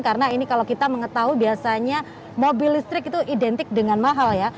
karena ini kalau kita mengetahui biasanya mobil listrik itu identik dengan mahal ya